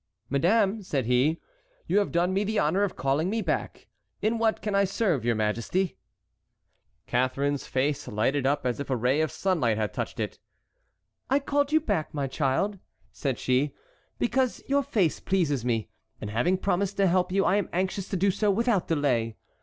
"Madame," said he, "you have done me the honor of calling me back. In what can I serve your majesty?" Catharine's face lighted up as if a ray of sunlight had touched it. "I called you back, my child," said she, "because your face pleases me, and having promised to help you I am anxious to do so without delay.